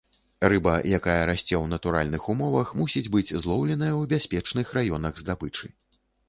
Рыба, якая расце ў натуральных умовах, мусіць быць злоўленая ў бяспечных раёнах здабычы.